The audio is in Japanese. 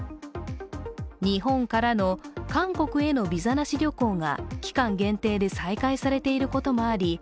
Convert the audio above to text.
日本からの、韓国へのビザなし旅行が期間限定で再開されていることもあり